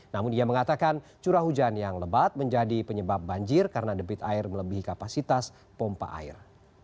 namun ia mengatakan curah hujan yang lebat menjadi penyebab banjir karena debit air melebihi kapasitas pompa air